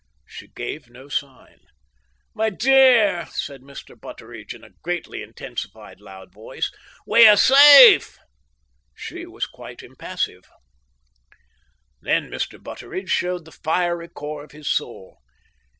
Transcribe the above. She gave no sign. "Me dear!" said Mr. Butteridge, in a greatly intensified loud voice, "we're safe!" She was still quite impassive. Then Mr. Butteridge showed the fiery core of his soul.